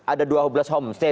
ada dua belas homestay